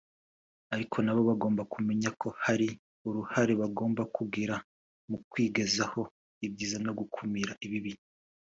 ariko nabo bagomba kumenya ko hari uruhare bagomba kugira mu kwigezaho ibyiza no gukumira ibibi